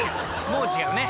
もう違うね。